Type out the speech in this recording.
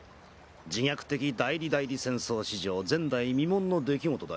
自虐的代理代理戦争史上前代未聞の出来事だよ。